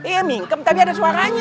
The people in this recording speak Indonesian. iya mingkem tapi ada suaranya